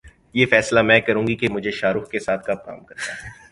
یہ فیصلہ میں کروں گی کہ مجھے شاہ رخ کے ساتھ کب کام کرنا ہے